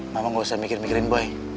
mama gak usah mikir migran boy